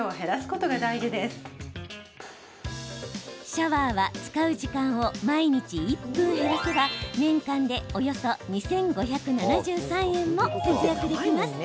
シャワーは使う時間を毎日１分減らせば年間でおよそ２５７３円も節約できます。